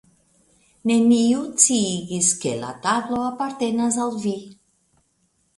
Neniu sciigis ke la tablo apartenas al vi.